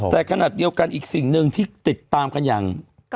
แต่ขนาดเดียวกันอีกสิ่งหนึ่งที่ติดตามกันอย่าง